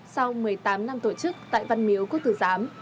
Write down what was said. sau một mươi tám năm tổ chức tại văn miếu quốc tử giám